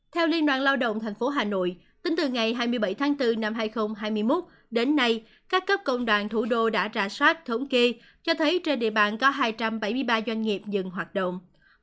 theo liên đoàn lao động tp hà nội tính từ ngày hai mươi bảy tháng bốn năm hai nghìn hai mươi một đến nay các cấp công đoàn thủ đô đã rà soát thống kê cho thấy trên địa bàn có hai trăm bảy mươi ba doanh nghiệp dừng hoạt động